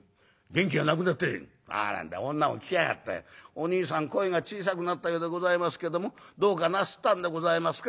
『おにいさん声が小さくなったようでございますけどもどうかなすったんでございますか？』